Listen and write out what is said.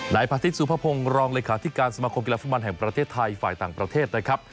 นายพาทิตยสุภพงศ์รองเลขาธิการสมาคมกีฬาฟุตบอลแห่งประเทศไทยฝ่ายต่างประเทศนะครับ